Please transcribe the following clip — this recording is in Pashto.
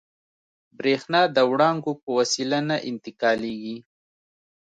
برېښنا د وړانګو په وسیله نه انتقالېږي.